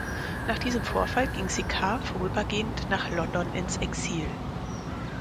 Nach diesem Vorfall ging Sicard vorübergehend nach London ins Exil.